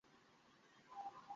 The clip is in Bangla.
অবাধ শান্তির তরে!